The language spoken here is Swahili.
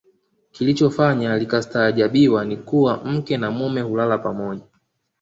Kilichofanya likastaajabiwa ni kuwa mke na mume hulala pamoja